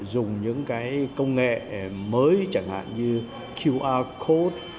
dùng những cái công nghệ mới chẳng hạn như qr code